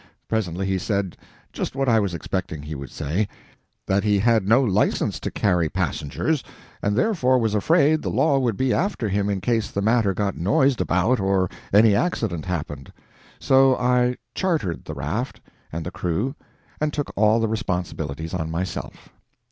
Presently he said just what I was expecting he would say that he had no license to carry passengers, and therefore was afraid the law would be after him in case the matter got noised about or any accident happened. So I CHARTERED the raft and the crew and took all the responsibilities on myself.